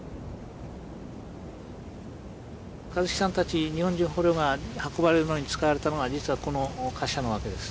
香月さんたち日本人捕虜が運ばれるのに使われたのが実はこの貨車のわけです。